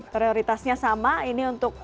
prioritasnya sama ini untuk